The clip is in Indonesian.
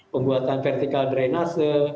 penguatan vertikal drain ase